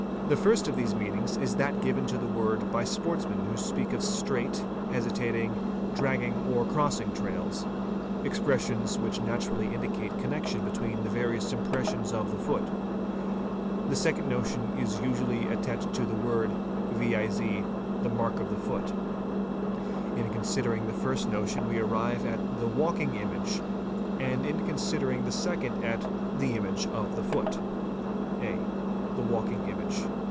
The firs these meanings is that given to the word by sportsmen who spez | straight, hesitating, dragging, or crossing trails—expressions which né Al Bk oe rally indicate connection between the various impressions of the fo the second notion is that usually attaching to the word, viz., "the m of a foot'. In considering the first notion we arrive at the " walking image '', and in considering the second at the "image of the foot". yw ie THE TRACE 517 (a) The walking image.